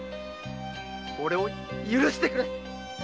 俺を許してくれ！